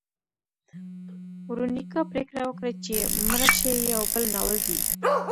ورونیکا پریکړه وکړه چې مړه شي یو بل ناول دی.